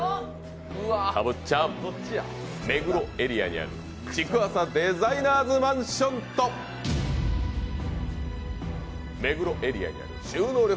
たぶっちゃん、目黒エリアにある築浅デザイナーズマンションと目黒エリアにある収納力